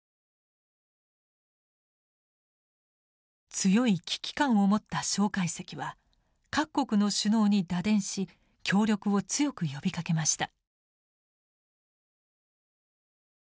強い危機感を持った介石は各国の首脳に打電し協力を強く呼びかけました。